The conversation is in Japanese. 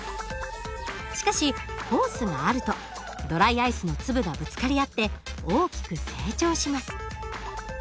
しかしホースがあるとドライアイスの粒がぶつかり合って大きく成長します。